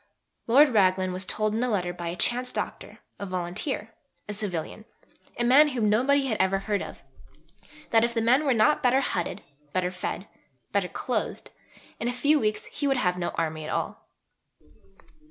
Lord Raglan was told in a letter by a chance Doctor, a volunteer, a civilian, a man whom nobody had ever heard of, that if the men were not better hutted, better fed, better clothed, in a few weeks he would have no army at all.